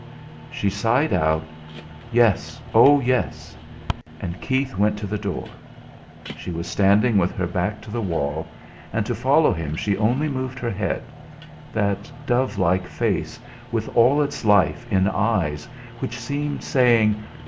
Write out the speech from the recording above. She sighed out, "Yes! oh, yes!" and Keith went to the door. She was standing with her back to the wall, and to follow him she only moved her head that dove like face with all its life in eyes which seemed saying